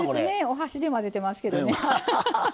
お箸で混ぜてますけどね。